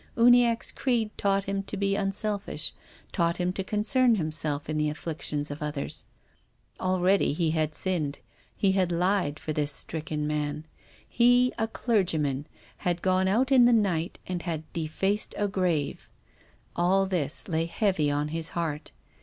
Uniacke's creed taught him to be unselfish, taught him to concern himself in the afflictions of others. Already he had sinned, he had lied for this stricken man. He, a clergyman, had gone out in the night and had defaced a grave. All this lay heavy on his heart.